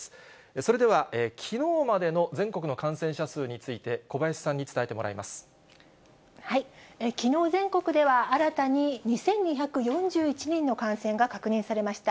それでは、きのうまでの全国の感染者数について、きのう、全国では新たに２２４１人の感染が確認されました。